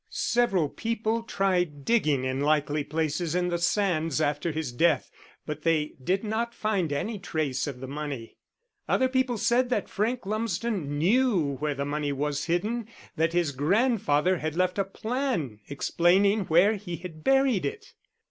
Several people tried digging in likely places in the sands after his death, but they did not find any trace of the money. Other people said that Frank Lumsden knew where the money was hidden that his grandfather had left a plan explaining where he had buried it.